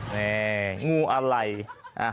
ผู้ทางมะพร้าว